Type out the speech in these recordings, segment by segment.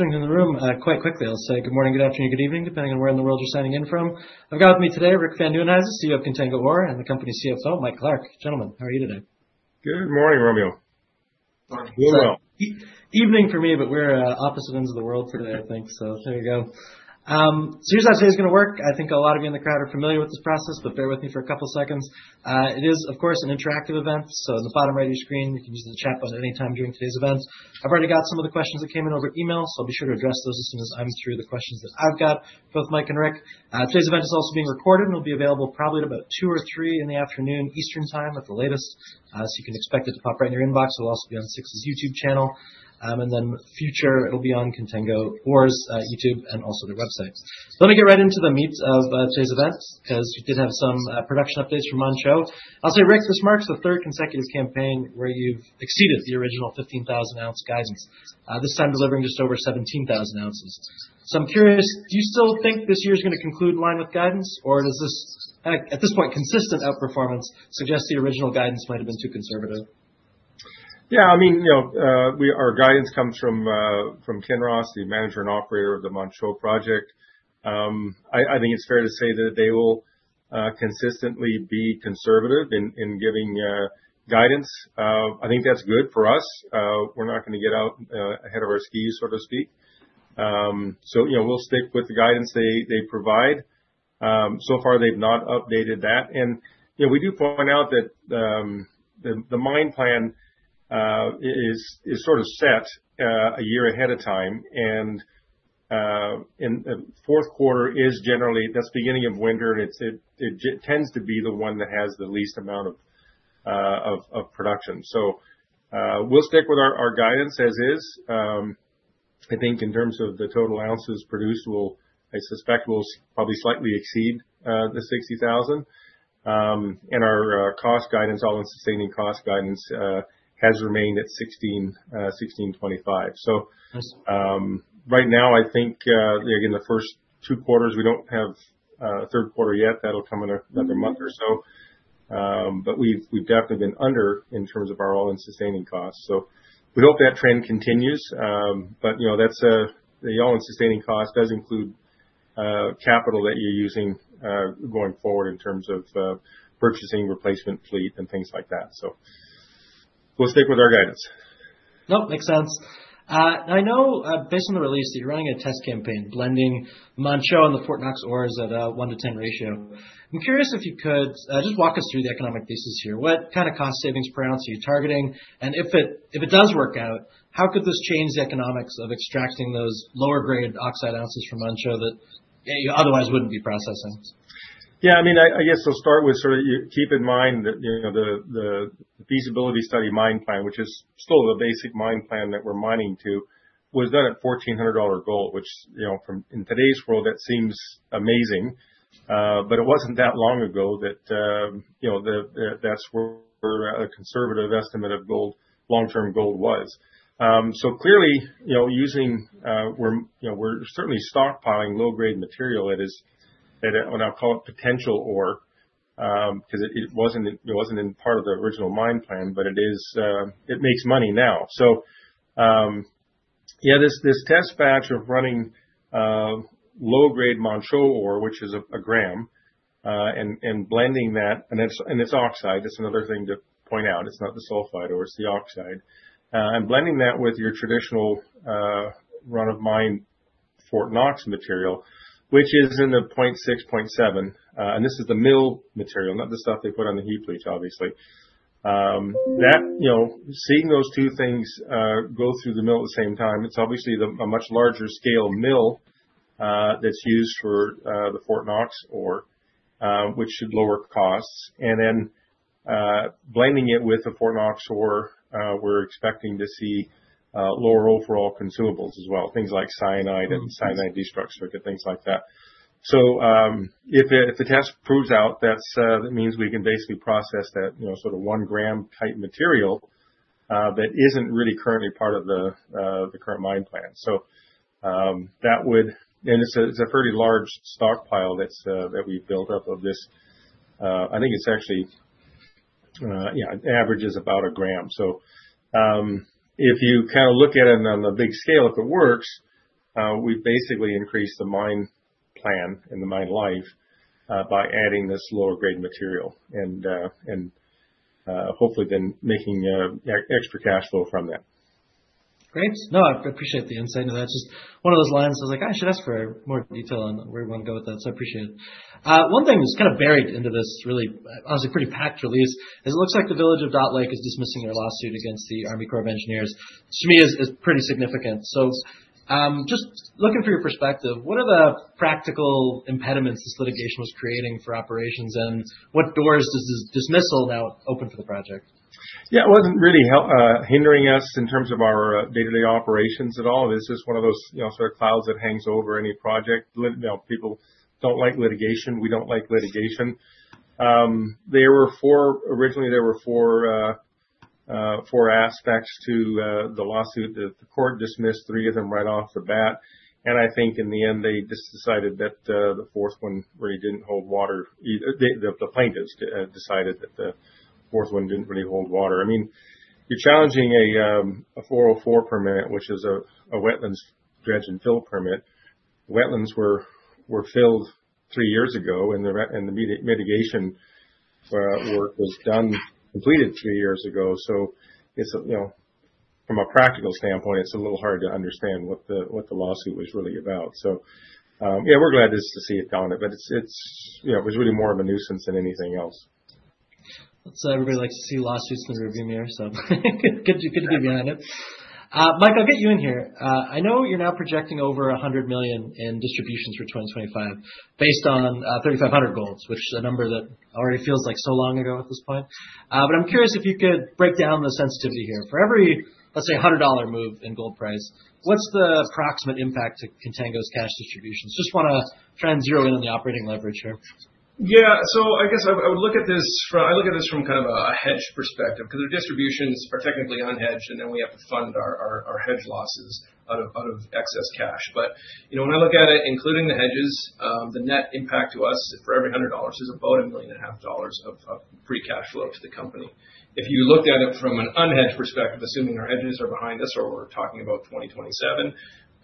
Changing the room. Quite quickly, I'll say good morning, good afternoon, good evening, depending on where in the world you're signing in from. I've got with me today Rick Van Nieuwenhuyse, CEO of Contango Ore, and the company's CFO, Mike Clark. Gentlemen, how are you today? Good morning, Romeo. Morning. Evening for me, but we're opposite ends of the world today, I think, so there you go. Here's how today's going to work. I think a lot of you in the crowd are familiar with this process, but bear with me for a couple of seconds. It is, of course, an interactive event, so in the bottom right of your screen, you can use the chatbot at any time during today's event. I've already got some of the questions that came in over email, so I'll be sure to address those as soon as I'm through the questions that I've got, both Mike and Rick. Today's event is also being recorded and will be available probably at about 2:00 P.M. or 3:00 P.M. Eastern Time at the latest, so you can expect it to pop right in your inbox. It'll also be on SIX's YouTube channel. In the future, it'll be on Contango Ore's YouTube and also their website. Let me get right into the meat of today's event because we did have some production updates from Manh Choh. I'll say, Rick, this marks the third consecutive campaign where you've exceeded the original 15,000-ounce guidance, this time delivering just over 17,000 ounces. I'm curious, do you still think this year's going to conclude in line with guidance, or does this, at this point, consistent outperformance suggest the original guidance might have been too conservative? Yeah, I mean, our guidance comes from Kinross, the manager and operator of the Manh Choh project. I think it's fair to say that they will consistently be conservative in giving guidance. I think that's good for us. We're not going to get out ahead of our skis, so to speak, so we'll stick with the guidance they provide. So far, they've not updated that, and we do point out that the mine plan is sort of set a year ahead of time. And in the fourth quarter, that's the beginning of winter, and it tends to be the one that has the least amount of production, so we'll stick with our guidance as is. I think in terms of the total ounces produced, I suspect we'll probably slightly exceed the 60,000, and our cost guidance, all-in-sustaining cost guidance, has remained at $1,625. So right now, I think, again, the first two quarters, we don't have a third quarter yet. That'll come in another month or so. But we've definitely been under in terms of our all-in sustaining costs. So we hope that trend continues. But the all-in sustaining cost does include capital that you're using going forward in terms of purchasing replacement fleet and things like that. So we'll stick with our guidance. No, makes sense. Now, I know based on the release that you're running a test campaign blending Manh Choh and the Fort Knox ores at a one to 10 ratio. I'm curious if you could just walk us through the economic basis here. What kind of cost savings per ounce are you targeting? And if it does work out, how could this change the economics of extracting those lower-grade oxide ounces from Manh Choh that you otherwise wouldn't be processing? Yeah, I mean, I guess I'll start with sort of, keep in mind that the feasibility study mine plan, which is still the basic mine plan that we're mining to, was done at $1,400 gold, which in today's world, that seems amazing. But it wasn't that long ago that that's where a conservative estimate of long-term gold was. So clearly, we're certainly stockpiling low-grade material that is, and I'll call it potential ore because it wasn't part of the original mine plan, but it makes money now. So yeah, this test batch of running low-grade Manh Choh ore, which is a gram, and blending that, and it's oxide. That's another thing to point out. It's not the sulfide ore. It's the oxide. Blending that with your traditional run-of-mine Fort Knox material, which is in the 0.6, 0.7, and this is the mill material, not the stuff they put on the heap leach, obviously. Seeing those two things go through the mill at the same time, it's obviously a much larger scale mill that's used for the Fort Knox ore, which should lower costs. And then blending it with the Fort Knox ore, we're expecting to see lower overall consumables as well, things like cyanide and cyanide destruct circuit, things like that. So if the test proves out, that means we can basically process that sort of one-gram-tight material that isn't really currently part of the current mine plan. So that would, and it's a fairly large stockpile that we've built up of this. I think it's actually, yeah, it averages about a gram. So if you kind of look at it on the big scale, if it works, we've basically increased the mine plan and the mine life by adding this lower-grade material and hopefully then making extra cash flow from that. Great. No, I appreciate the insight into that. Just one of those lines I was like, "I should ask for more detail on where you want to go with that." So I appreciate it. One thing that's kind of buried into this really, honestly, pretty packed release is it looks like the village of Dot Lake is dismissing their lawsuit against the Army Corps of Engineers. To me, it's pretty significant. So just looking for your perspective, what are the practical impediments this litigation was creating for operations, and what doors does this dismissal now open for the project? Yeah, it wasn't really hindering us in terms of our day-to-day operations at all. This is one of those sort of clouds that hangs over any project. People don't like litigation. We don't like litigation. Originally, there were four aspects to the lawsuit that the court dismissed, three of them right off the bat, and I think in the end, they just decided that the fourth one really didn't hold water. The plaintiffs decided that the fourth one didn't really hold water. I mean, you're challenging a 404 permit, which is a wetlands dredge and fill permit. Wetlands were filled three years ago, and the mitigation work was completed three years ago. So from a practical standpoint, it's a little hard to understand what the lawsuit was really about. So yeah, we're glad to see it gone, but it was really more of a nuisance than anything else. That's how everybody likes to see lawsuits in the rearview mirror, so good to be behind it. Michael, I'll get you in here. I know you're now projecting over 100 million in distributions for 2025 based on $3,500 gold, which is a number that already feels like so long ago at this point. But I'm curious if you could break down the sensitivity here. For every, let's say, $100 move in gold price, what's the approximate impact to Contango's cash distributions? Just want to try and zero in on the operating leverage here. Yeah, so I guess I would look at this from kind of a hedge perspective because our distributions are technically unhedged, and then we have to fund our hedge losses out of excess cash. But when I look at it, including the hedges, the net impact to us for every $100 is about $1.5 million of free cash flow to the company. If you looked at it from an unhedged perspective, assuming our hedges are behind us or we're talking about 2027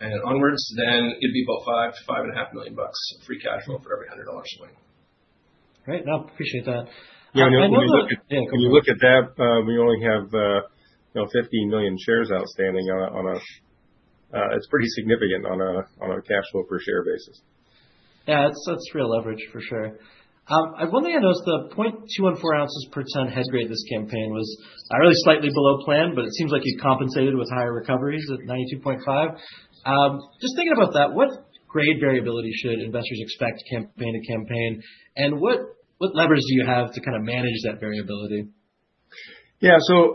and onwards, then it'd be about $5-$5.5 million of free cash flow for every $100 swing. Great. No, appreciate that. Yeah, when you look at that, we only have 15 million shares outstanding. It's pretty significant on a cash flow per share basis. Yeah, that's real leverage for sure. One thing I noticed, the 0.214 ounces per ton head grade this campaign was really slightly below plan, but it seems like you compensated with higher recoveries at 92.5%. Just thinking about that, what grade variability should investors expect campaign to campaign, and what levers do you have to kind of manage that variability? Yeah, so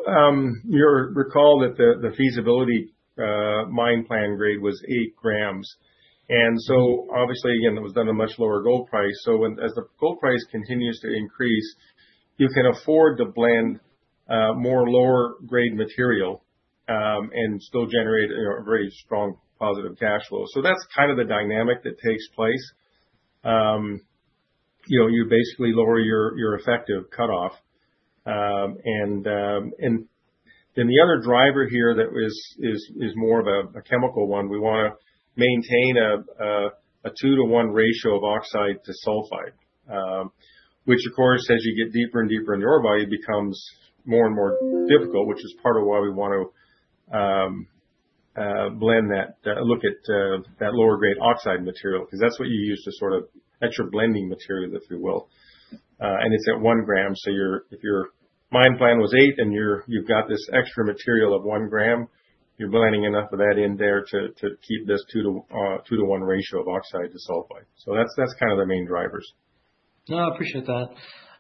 you'll recall that the feasibility mine plan grade was eight grams. And so obviously, again, it was done at a much lower gold price. So as the gold price continues to increase, you can afford to blend more lower-grade material and still generate a very strong positive cash flow. So that's kind of the dynamic that takes place. You basically lower your effective cutoff. And then the other driver here that is more of a chemical one, we want to maintain a two to one ratio of oxide to sulfide, which, of course, as you get deeper and deeper in the orebody, becomes more and more difficult, which is part of why we want to look at that lower-grade oxide material because that's what you use to sort of your blending material, if you will. And it's at one gram. So if your mine plan was eight and you've got this extra material of one gram, you're blending enough of that in there to keep this two to one ratio of oxide to sulfide. So that's kind of the main drivers. No, I appreciate that.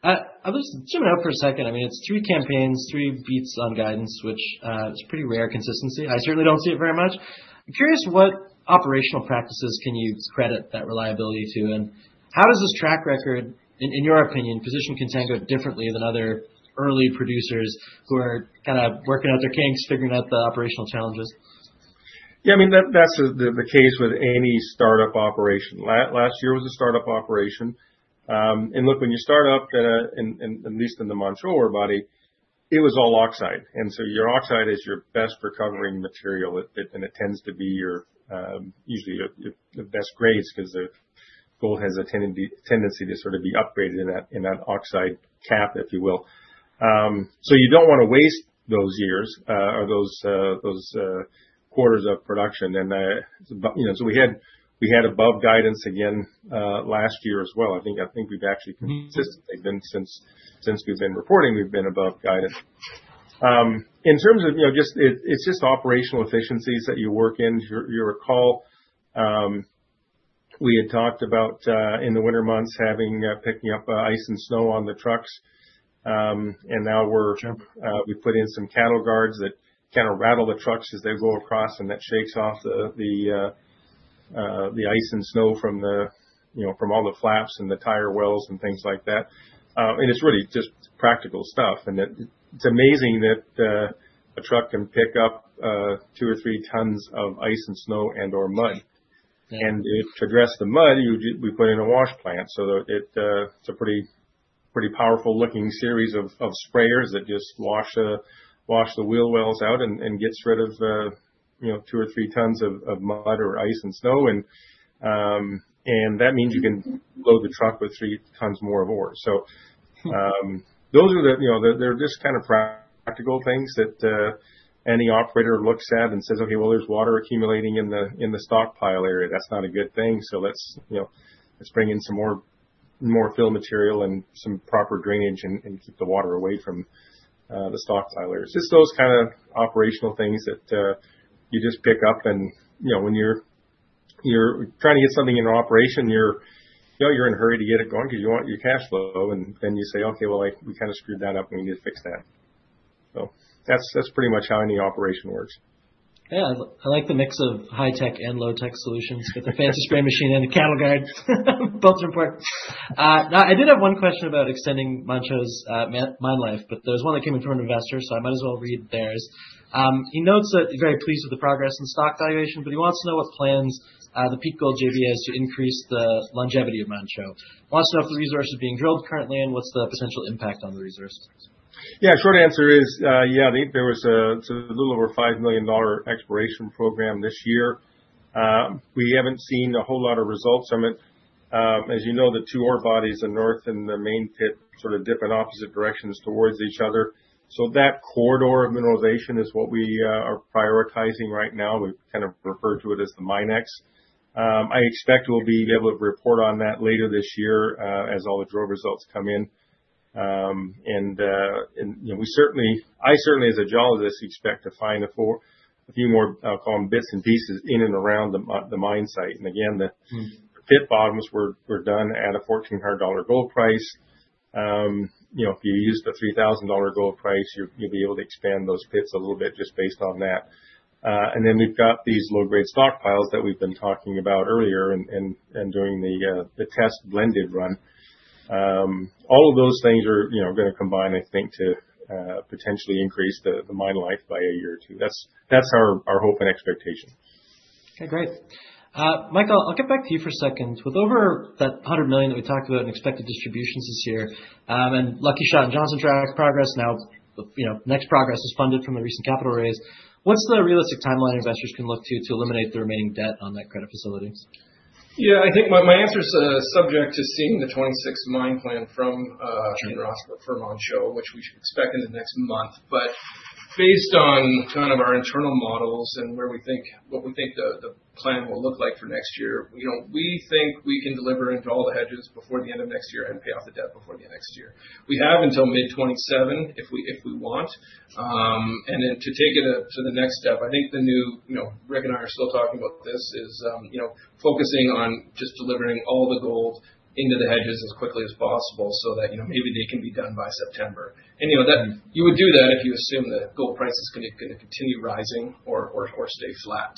I was zooming out for a second. I mean, it's three campaigns, three beats on guidance, which is a pretty rare consistency. I certainly don't see it very much. I'm curious what operational practices can you credit that reliability to, and how does this track record, in your opinion, position Contango differently than other early producers who are kind of working out their kinks, figuring out the operational challenges? Yeah, I mean, that's the case with any startup operation. Last year was a startup operation, and look, when you start up, at least in the Manh Choh ore body, it was all oxide. And so your oxide is your best recovering material, and it tends to be usually the best grades because gold has a tendency to sort of be upgraded in that oxide cap, if you will. So you don't want to waste those years or those quarters of production, and so we had above guidance again last year as well. I think we've actually consistently been since we've been reporting, we've been above guidance. In terms of just operational efficiencies that you work in, you recall we had talked about in the winter months picking up ice and snow on the trucks. And now we've put in some cattle guards that kind of rattle the trucks as they go across, and that shakes off the ice and snow from all the flaps and the tire wells and things like that. And it's really just practical stuff. And it's amazing that a truck can pick up two or three tons of ice and snow and/or mud. And to address the mud, we put in a wash plant. So it's a pretty powerful-looking series of sprayers that just wash the wheel wells out and gets rid of two or three tons of mud or ice and snow. And that means you can load the truck with three tons more of ore. So those are just kind of practical things that any operator looks at and says, "Okay, well, there's water accumulating in the stockpile area. That's not a good thing. So let's bring in some more fill material and some proper drainage and keep the water away from the stockpile areas." Just those kind of operational things that you just pick up. And when you're trying to get something in operation, you're in a hurry to get it going because you want your cash flow. And then you say, "Okay, well, we kind of screwed that up, and we need to fix that." So that's pretty much how any operation works. Yeah, I like the mix of high-tech and low-tech solutions with the fancy spray machine and the cattle guard. Both are important. Now, I did have one question about extending Manh Choh's mine life, but there was one that came in from an investor, so I might as well read theirs. He notes that he's very pleased with the progress in stock valuation, but he wants to know what plans the Peak Gold JV has to increase the longevity of Manh Choh. Wants to know if the resource is being drilled currently and what's the potential impact on the resource. Yeah, short answer is, yeah, there was a little over $5 million exploration program this year. We haven't seen a whole lot of results from it. As you know, the two ore bodies in north and the main pit sort of dip in opposite directions towards each other, so that corridor of mineralization is what we are prioritizing right now. We kind of refer to it as the mine X. I expect we'll be able to report on that later this year as all the drill results come in, and I certainly, as a geologist, expect to find a few more, I'll call them bits and pieces in and around the mine site, and again, the pit bottoms were done at a $1,400 gold price. If you use the $3,000 gold price, you'll be able to expand those pits a little bit just based on that. And then we've got these low-grade stockpiles that we've been talking about earlier and doing the test blended run. All of those things are going to combine, I think, to potentially increase the mine life by a year or two. That's our hope and expectation. Okay, great. Michael, I'll get back to you for a second. With over that $100 million that we talked about in expected distributions this year and Lucky Shot and Johnson Tract progress, now next progress is funded from the recent capital raise. What's the realistic timeline investors can look to to eliminate the remaining debt on that credit facility? Yeah, I think my answer is subject to seeing the 2026 mine plan from Manh Choh, which we should expect in the next month. But based on kind of our internal models and what we think the plan will look like for next year, we think we can deliver into all the hedges before the end of next year and pay off the debt before the end of next year. We have until mid-2027 if we want. To take it to the next step, I think Rick and I are still talking about this: focusing on just delivering all the gold into the hedges as quickly as possible so that maybe they can be done by September. You would do that if you assume that gold prices are going to continue rising or stay flat.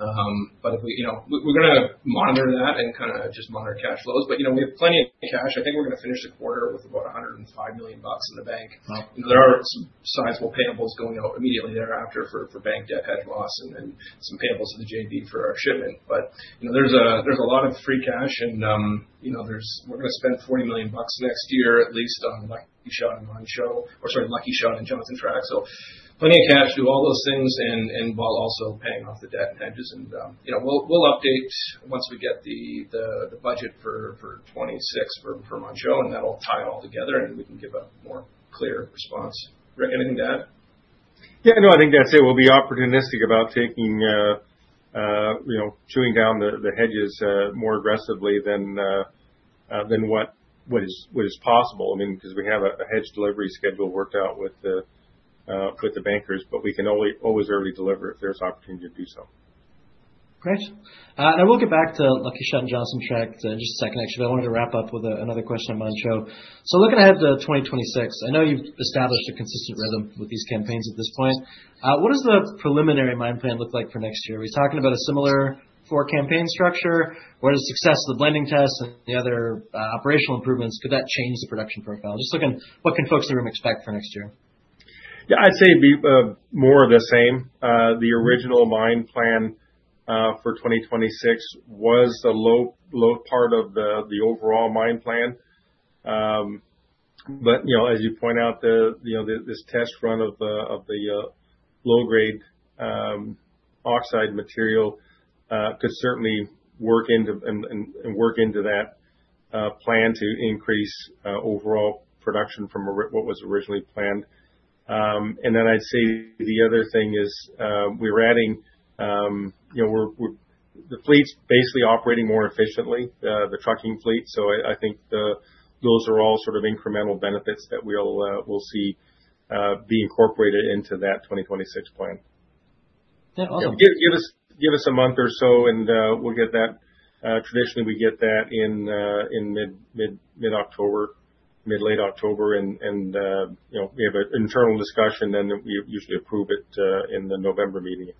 But we're going to monitor that and kind of just monitor cash flows. But we have plenty of cash. I think we're going to finish the quarter with about $105 million in the bank. There are some sizable payables going out immediately thereafter for bank debt hedge loss and then some payables to the JV for our shipment. But there's a lot of free cash, and we're going to spend $40 million next year, at least on Lucky Shot and Manh Choh, or sorry, Lucky Shot and Johnson Tract. So plenty of cash to do all those things and while also paying off the debt in hedges. And we'll update once we get the budget for 2026 for Manh Choh, and that'll tie it all together, and we can give a more clear response. Rick, anything to add? Yeah, no, I think that's it. We'll be opportunistic about drawing down the hedges more aggressively than what is possible. I mean, because we have a hedge delivery schedule worked out with the bankers, but we can always early deliver if there's opportunity to do so. Great. And I will get back to Lucky Shot and Johnson Tract in just a second, actually, but I wanted to wrap up with another question on Manh Choh. So looking ahead to 2026, I know you've established a consistent rhythm with these campaigns at this point. What does the preliminary mine plan look like for next year? Are we talking about a similar four-campaign structure? Where does success of the blending tests and the other operational improvements, could that change the production profile? Just looking at what can folks in the room expect for next year? Yeah, I'd say more of the same. The original mine plan for 2026 was a low part of the overall mine plan, but as you point out, this test run of the low-grade oxide material could certainly work into that plan to increase overall production from what was originally planned, and then I'd say the other thing is we're adding the fleet's basically operating more efficiently, the trucking fleet, so I think those are all sort of incremental benefits that we'll see be incorporated into that 2026 plan. Yeah, awesome. Give us a month or so, and we'll get that. Traditionally, we get that in mid-October, mid-late October, and we have an internal discussion, and then we usually approve it in the November joint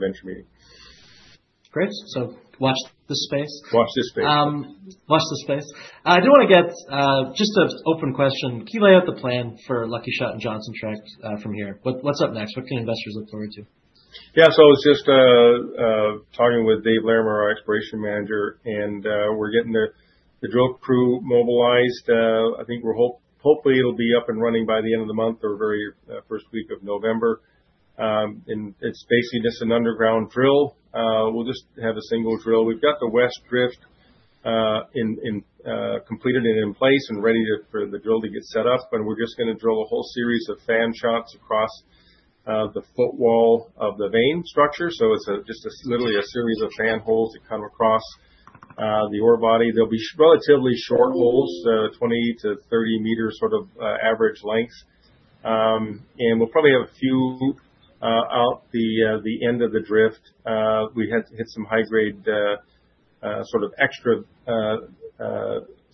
venture meeting. Great. So watch this space. Watch this space. Watch this space. I do want to get just an open question. Can you lay out the plan for Lucky Shot and Johnson Tract from here? What's up next? What can investors look forward to? Yeah, so I was just talking with Dave Larimer, our exploration manager, and we're getting the drill crew mobilized. I think hopefully it'll be up and running by the end of the month or very first week of November. And it's basically just an underground drill. We'll just have a single drill. We've got the west drift completed and in place and ready for the drill to get set up, but we're just going to drill a whole series of fan shots across the footwall of the vein structure. So it's just literally a series of fan holes that come across the ore body. They'll be relatively short holes, 20- to 30-meter sort of average length. And we'll probably have a few out the end of the drift. We had to hit some high-grade sort of extra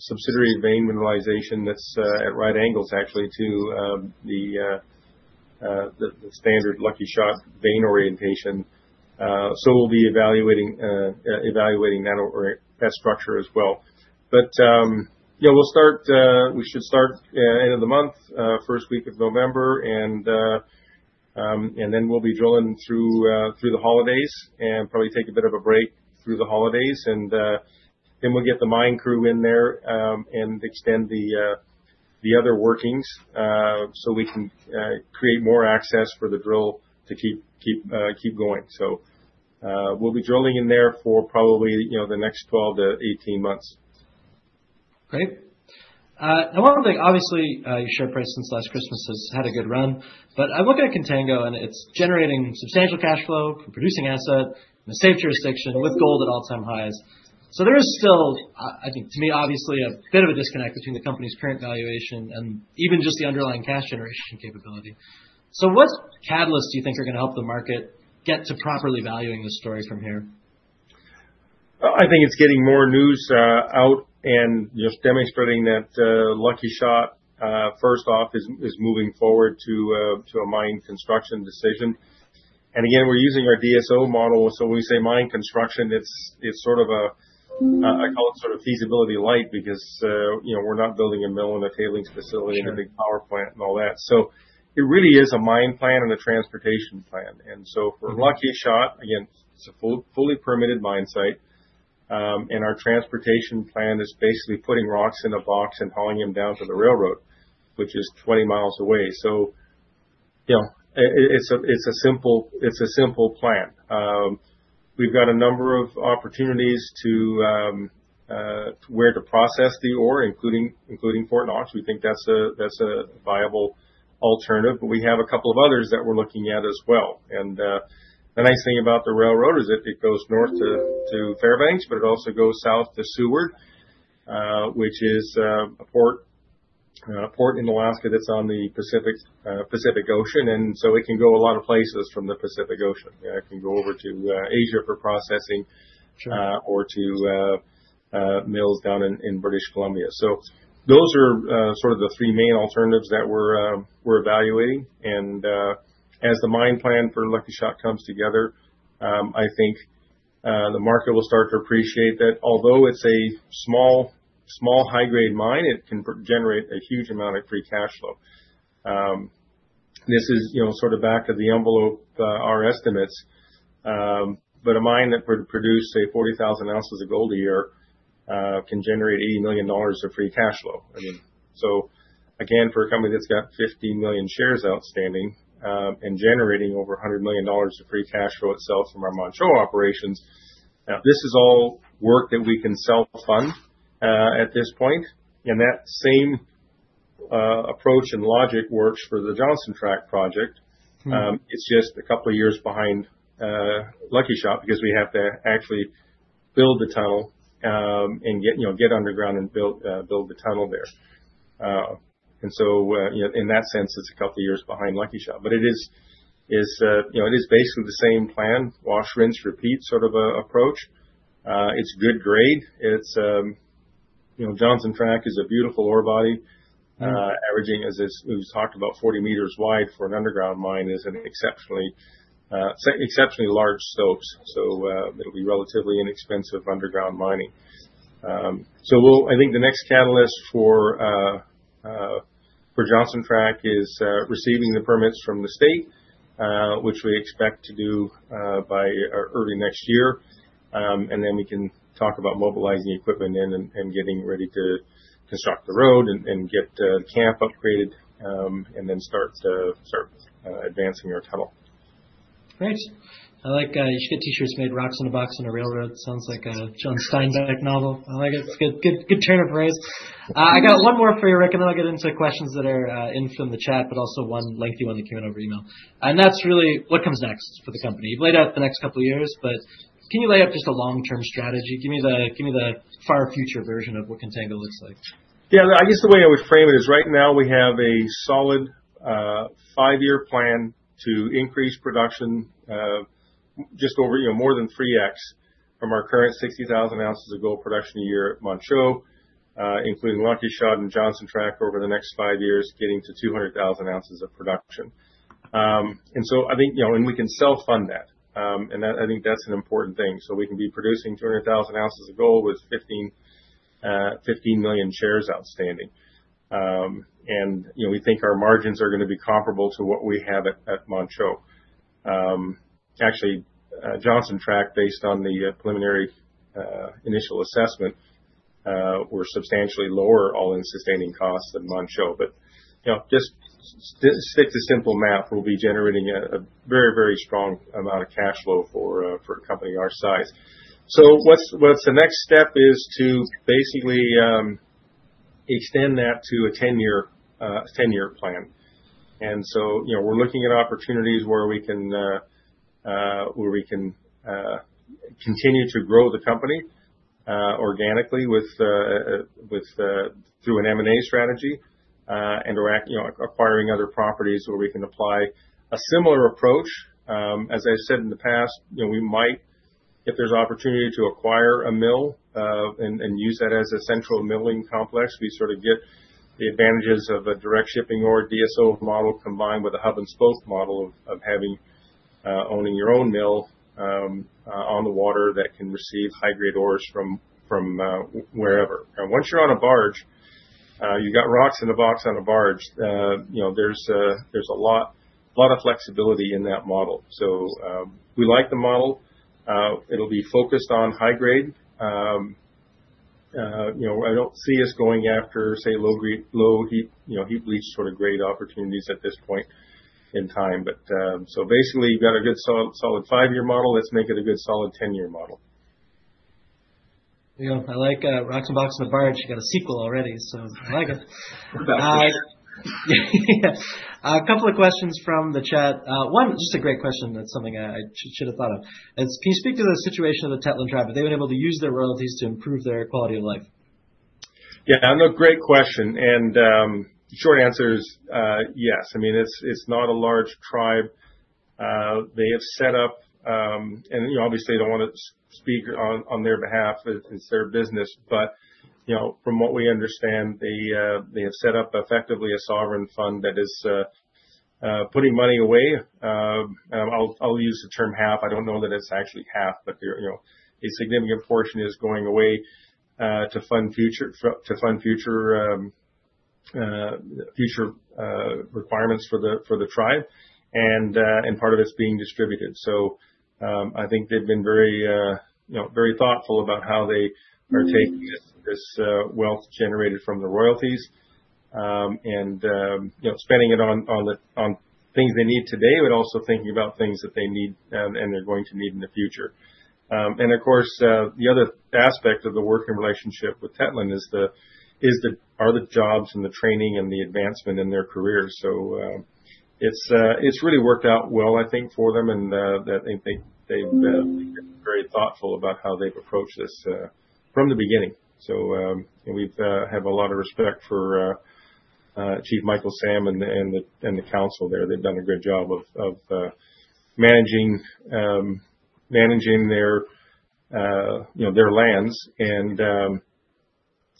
subsidiary vein mineralization that's at right angles, actually, to the standard Lucky Shot vein orientation. So we'll be evaluating that structure as well. But we'll start, we should start end of the month, first week of November, and then we'll be drilling through the holidays and probably take a bit of a break through the holidays. And then we'll get the mine crew in there and extend the other workings so we can create more access for the drill to keep going. So we'll be drilling in there for probably the next 12 to 18 months. Great. Now, one thing, obviously, your share price since last Christmas has had a good run, but I'm looking at Contango, and it's generating substantial cash flow from producing asset in a safe jurisdiction with gold at all-time highs. So there is still, I think, to me, obviously, a bit of a disconnect between the company's current valuation and even just the underlying cash generation capability. So what catalysts do you think are going to help the market get to properly valuing this story from here? I think it's getting more news out and just demonstrating that Lucky Shot, first off, is moving forward to a mine construction decision, and again, we're using our DSO model, so when we say mine construction, it's sort of a, I call it sort of feasibility light because we're not building a mill in a tailings facility and a big power plant and all that, so it really is a mine plan and a transportation plan, and so for Lucky Shot, again, it's a fully permitted mine site, and our transportation plan is basically putting rocks in a box and hauling them down to the railroad, which is 20 mi away, so it's a simple plan. We've got a number of opportunities where to process the ore, including Fort Knox. We think that's a viable alternative, but we have a couple of others that we're looking at as well. The nice thing about the railroad is that it goes north to Fairbanks, but it also goes south to Seward, which is a port in Alaska that's on the Pacific Ocean. It can go a lot of places from the Pacific Ocean. It can go over to Asia for processing or to mills down in British Columbia. Those are sort of the three main alternatives that we're evaluating. As the mine plan for Lucky Shot comes together, I think the market will start to appreciate that although it's a small high-grade mine, it can generate a huge amount of free cash flow. This is sort of back of the envelope, our estimates, but a mine that would produce, say, 40,000 ounces of gold a year can generate $80 million of free cash flow. I mean, so again, for a company that's got 50 million shares outstanding and generating over $100 million of free cash flow itself from our Manh Choh operations, now this is all work that we can self-fund at this point, and that same approach and logic works for the Johnson Tract project. It's just a couple of years behind Lucky Shot because we have to actually build the tunnel and get underground and build the tunnel there, and so in that sense, it's a couple of years behind Lucky Shot. But it is basically the same plan, wash, rinse, repeat sort of approach. It's good grade. Johnson Tract is a beautiful ore body. Averaging, as we've talked about, 40 meters wide for an underground mine is an exceptionally large stope. So it'll be relatively inexpensive underground mining. So I think the next catalyst for Johnson Tract is receiving the permits from the state, which we expect to do by early next year. And then we can talk about mobilizing equipment and getting ready to construct the road and get the camp upgraded and then start advancing our tunnel. Great. I like you should get T-shirts made, rocks in a box on a railroad. Sounds like a John Steinbeck novel. I like it. It's a good turn of phrase. I got one more for you, Rick, and then I'll get into questions that are in from the chat, but also one lengthy one that came in over email, and that's really what comes next for the company. You've laid out the next couple of years, but can you lay out just a long-term strategy? Give me the far future version of what Contango looks like. Yeah, I guess the way I would frame it is right now we have a solid five-year plan to increase production just over more than 3X from our current 60,000 ounces of gold production a year at Manh Choh, including Lucky Shot and Johnson Tract over the next five years, getting to 200,000 ounces of production, and so I think, and we can self-fund that, and I think that's an important thing, so we can be producing 200,000 ounces of gold with 15 million shares outstanding. And we think our margins are going to be comparable to what we have at Manh Choh. Actually, Johnson Tract, based on the preliminary initial assessment, we're substantially lower all-in sustaining costs than Manh Choh, but just stick to simple math, we'll be generating a very, very strong amount of cash flow for a company our size. So what's the next step is to basically extend that to a 10-year plan. And so we're looking at opportunities where we can continue to grow the company organically through an M&A strategy and acquiring other properties where we can apply a similar approach. As I said in the past, we might, if there's opportunity to acquire a mill and use that as a central milling complex, we sort of get the advantages of a direct shipping ore DSO model combined with a hub-and-spoke model of owning your own mill on the water that can receive high-grade ores from wherever. Now, once you're on a barge, you've got rocks in a box on a barge. There's a lot of flexibility in that model. So we like the model. It'll be focused on high grade. I don't see us going after, say, low heap leach sort of grade opportunities at this point in time. But so basically, you've got a good solid five-year model. Let's make it a good solid 10-year model. Yeah, I like rocks in a box on a barge. You've got a sequel already, so I like it. A couple of questions from the chat. One, just a great question. That's something I should have thought of. Can you speak to the situation of the Tetlin Tribe? Have they been able to use their royalties to improve their quality of life? Yeah, no, great question. And short answer is yes. I mean, it's not a large tribe. They have set up, and obviously, I don't want to speak on their behalf. It's their business. But from what we understand, they have set up effectively a sovereign fund that is putting money away. I'll use the term half. I don't know that it's actually half, but a significant portion is going away to fund future requirements for the tribe, and part of it's being distributed. So I think they've been very thoughtful about how they are taking this wealth generated from the royalties and spending it on things they need today, but also thinking about things that they need and they're going to need in the future. And of course, the other aspect of the working relationship with Tetlin is the jobs and the training and the advancement in their careers. So it's really worked out well, I think, for them. And I think they've been very thoughtful about how they've approached this from the beginning. So we have a lot of respect for Chief Michael Sam and the council there. They've done a good job of managing their lands.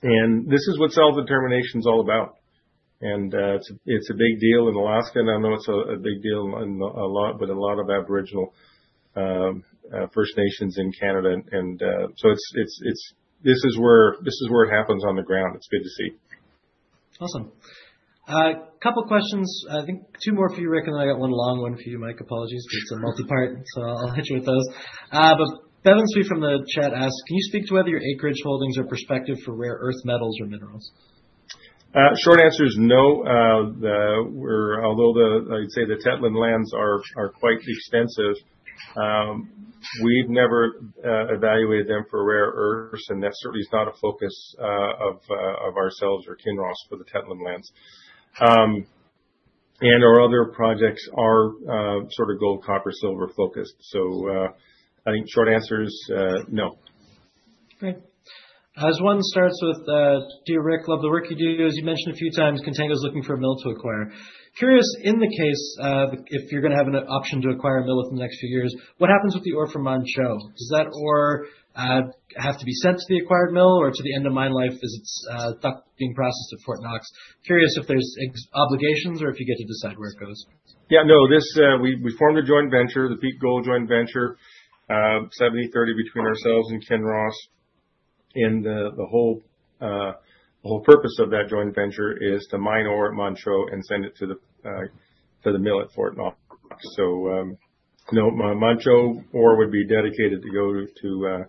And this is what self-determination is all about. And it's a big deal in Alaska. And I know it's a big deal in a lot, but a lot of Aboriginal First Nations in Canada. And so this is where it happens on the ground. It's good to see. Awesome. A couple of questions. I think two more for you, Rick, and then I got one long one for you, Mike. Apologies. It's a multi-part, so I'll hit you with those. But Bevan Sweet from the chat asked, can you speak to whether your acreage holdings are prospective for rare earth metals or minerals? Short answer is no. Although I'd say the Tetlin lands are quite extensive, we've never evaluated them for rare earths, and that certainly is not a focus of ourselves or Kinross for the Tetlin lands. And our other projects are sort of gold, copper, silver focused. So I think short answer is no. Great. As we start with, dear Rick, love the work you do. As you mentioned a few times, Contango is looking for a mill to acquire. Curious, in that case, if you're going to have an option to acquire a mill within the next few years, what happens with the ore from Manh Choh? Does that ore have to be sent to the acquired mill or to the end of mine life? Is it stuck being processed at Fort Knox? Curious if there's obligations or if you get to decide where it goes. Yeah, no, we formed a joint venture, the Peak Gold Joint Venture, 70/30 between ourselves and Kinross. And the whole purpose of that joint venture is to mine ore at Manh Choh and send it to the mill at Fort Knox. So Manh Choh ore would be dedicated to go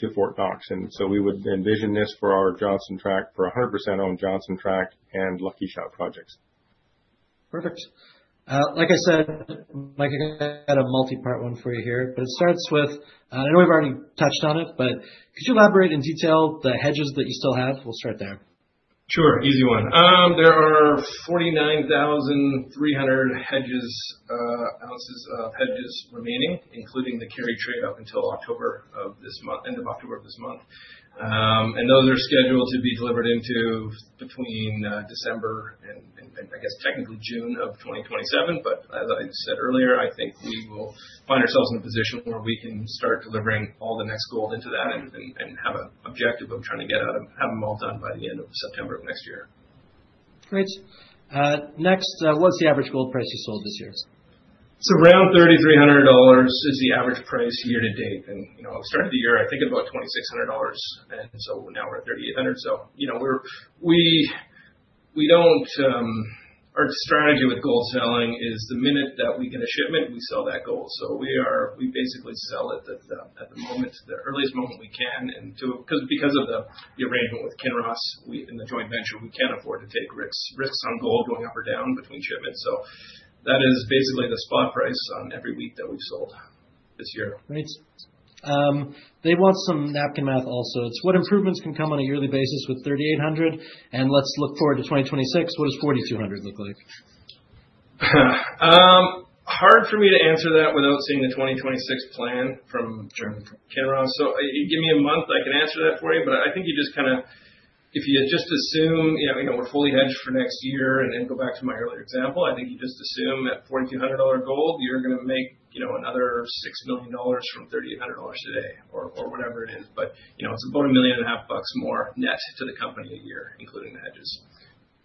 to Fort Knox. And so we would envision this for our Johnson Tract, for 100% owned Johnson Tract and Lucky Shot projects. Perfect. Like I said, Mike, I got a multi-part one for you here, but it starts with, and I know we've already touched on it, but could you elaborate in detail the hedges that you still have? We'll start there. Sure. Easy one. There are 49,300 ounces of hedges remaining, including the carry trade up until end of October of this month. And those are scheduled to be delivered into between December and, I guess, technically June of 2027. But as I said earlier, I think we will find ourselves in a position where we can start delivering all the next gold into that and have an objective of trying to get out of having them all done by the end of September of next year. Great. Next, what's the average gold price you sold this year? It's around $3,300, which is the average price year to date. We started the year, I think, at about $2,600. And so now we're at $3,800. Our strategy with gold selling is the minute that we get a shipment, we sell that gold. So we basically sell it at the moment, the earliest moment we can. And because of the arrangement with Kinross and the joint venture, we can't afford to take risks on gold going up or down between shipments. So that is basically the spot price on every week that we've sold this year. Great. They want some napkin math also. It's what improvements can come on a yearly basis with 3,800? And let's look forward to 2026. What does 4,200 look like? Hard for me to answer that without seeing the 2026 plan from Kinross. So give me a month. I can answer that for you. But I think you just kind of, if you just assume we're fully hedged for next year and then go back to my earlier example, I think you just assume at $4,200 gold, you're going to make another $6 million from $3,800 a day or whatever it is. But it's about $1.5 million more net to the company a year, including the hedges.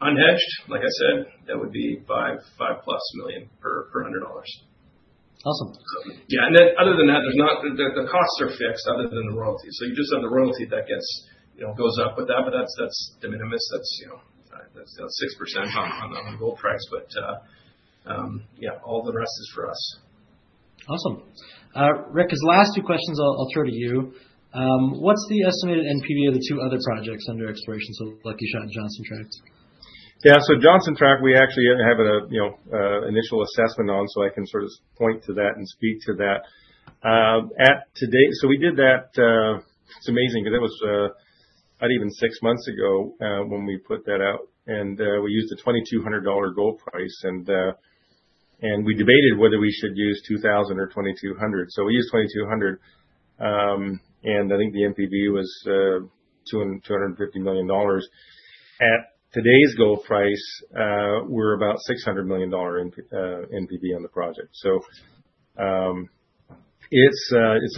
Unhedged, like I said, that would be five plus million per $100. Awesome. Yeah, and then other than that, the costs are fixed other than the royalties, so you just have the royalty that goes up with that, but that's de minimis. That's 6% on the gold price, but yeah, all the rest is for us. Awesome. Rick, as last two questions, I'll throw to you. What's the estimated NPV of the two other projects under exploration, so Lucky Shot and Johnson Tract? Yeah. So Johnson Tract, we actually have an initial assessment on, so I can sort of point to that and speak to that. So we did that. It's amazing because that was not even six months ago when we put that out. And we used a $2,200 gold price. And we debated whether we should use 2,000 or 2,200. So we used 2,200. And I think the NPV was $250 million. At today's gold price, we're about $600 million NPV on the project. So it's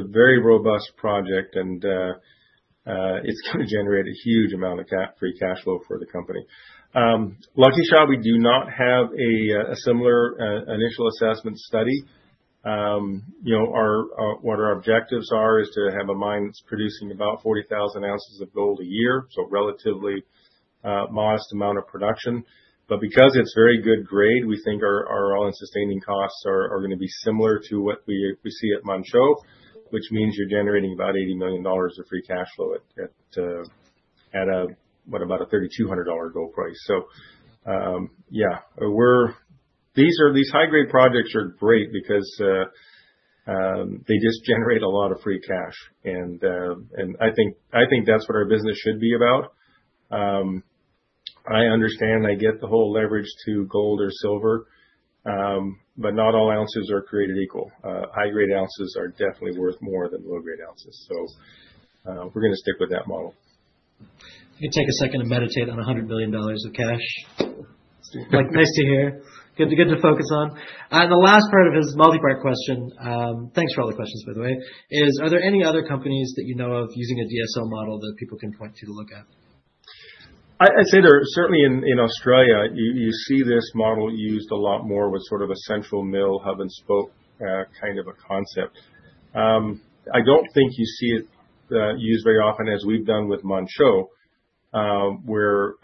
a very robust project, and it's going to generate a huge amount of free cash flow for the company. Lucky Shot, we do not have a similar initial assessment study. What our objectives are is to have a mine that's producing about 40,000 ounces of gold a year, so a relatively modest amount of production. Because it's very good grade, we think our all-in sustaining costs are going to be similar to what we see at Manh Choh, which means you're generating about $80 million of free cash flow at what, about a $3,200 gold price. So yeah, these high-grade projects are great because they just generate a lot of free cash. And I think that's what our business should be about. I understand I get the whole leverage to gold or silver, but not all ounces are created equal. High-grade ounces are definitely worth more than low-grade ounces. So we're going to stick with that model. If you could take a second and meditate on $100 million of cash. Nice to hear. Good to focus on, and the last part of his multi-part question, thanks for all the questions, by the way, is are there any other companies that you know of using a DSO model that people can point to to look at? I'd say there are certainly in Australia, you see this model used a lot more with sort of a central mill, hub-and-spoke kind of a concept. I don't think you see it used very often as we've done with Manh Choh, where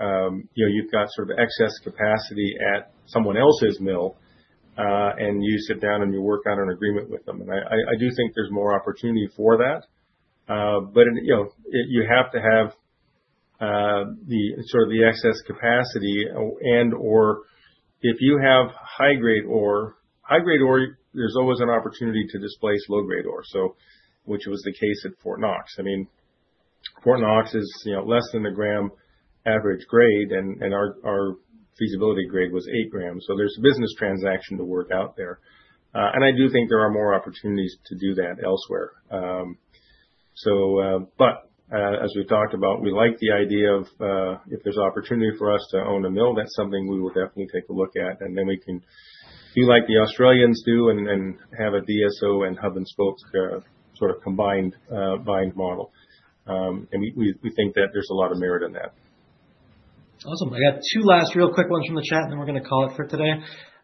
you've got sort of excess capacity at someone else's mill, and you sit down and you work out an agreement with them, and I do think there's more opportunity for that, but you have to have sort of the excess capacity and/or if you have high-grade ore, high-grade ore, there's always an opportunity to displace low-grade ore, which was the case at Fort Knox. I mean, Fort Knox is less than a gram average grade, and our feasibility grade was eight grams, so there's a business transaction to work out there, and I do think there are more opportunities to do that elsewhere. But as we've talked about, we like the idea of if there's opportunity for us to own a mill, that's something we will definitely take a look at. And then we can, do like the Australians do, and have a DSO and hub-and-spoke sort of combined mining model. And we think that there's a lot of merit in that. Awesome. I got two last real quick ones from the chat, and then we're going to call it for today.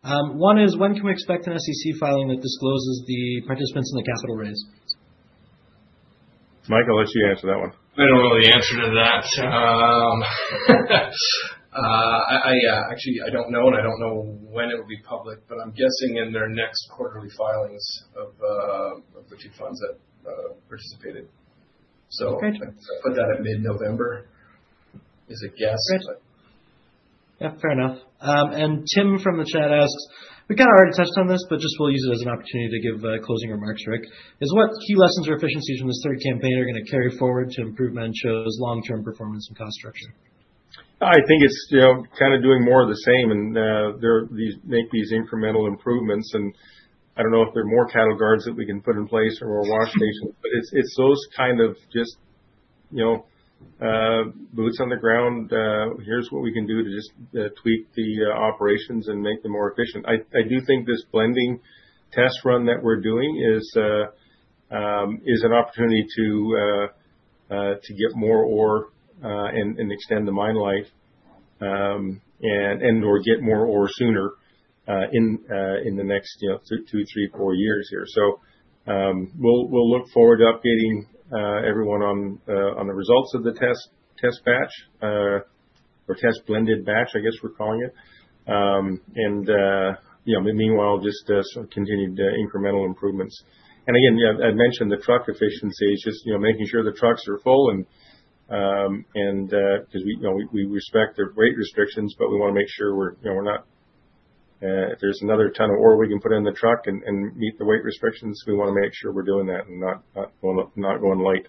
One is, when can we expect an SEC filing that discloses the participants in the capital raise? Michael, let you answer that one. I don't know the answer to that. Actually, I don't know, and I don't know when it will be public, but I'm guessing in their next quarterly filings of the two funds that participated, so I'd put that at mid-November is a guess. Yeah, fair enough. And Tim from the chat asked, we kind of already touched on this, but just we'll use it as an opportunity to give closing remarks, Rick. Is what key lessons or efficiencies from this third campaign are going to carry forward to improve Manh Choh's long-term performance and cost structure? I think it's kind of doing more of the same, and make these incremental improvements. And I don't know if there are more cattle guards that we can put in place or more wash stations, but it's those kind of just boots on the ground. Here's what we can do to just tweak the operations and make them more efficient. I do think this blending test run that we're doing is an opportunity to get more ore and extend the mine life and/or get more ore sooner in the next two, three, four years here. So we'll look forward to updating everyone on the results of the test batch or test blended batch, I guess we're calling it. And meanwhile, just sort of continued incremental improvements. Again, I mentioned the truck efficiency, just making sure the trucks are full because we respect the weight restrictions, but we want to make sure we're not if there's another ton of ore we can put in the truck and meet the weight restrictions. We want to make sure we're doing that and not going light.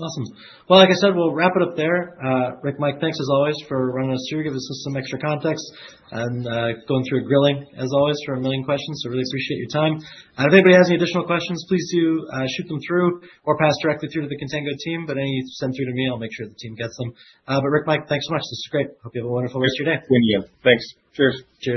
Awesome. Well, like I said, we'll wrap it up there. Rick, Mike, thanks as always for running us through, giving us some extra context and going through grilling as always for a million questions. So really appreciate your time. If anybody has any additional questions, please do shoot them through or pass directly through to the Contango team. But any you send through to me, I'll make sure the team gets them. But Rick, Mike, thanks so much. This was great. Hope you have a wonderful rest of your day. Thank you. Thanks. Cheers. Cheers.